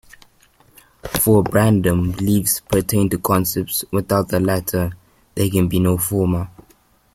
For Brandom, beliefs pertain to concepts: without the latter there can be no former.